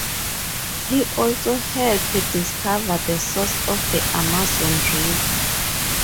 He also helped discover the source of the Amazon river.